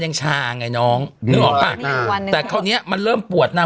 ยังชาไงน้องนึกออกปะแต่เขาเนี้ยมันเริ่มปวดนาง